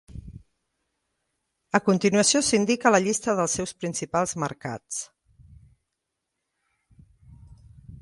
A continuació s'indica la llista dels seus principals mercats.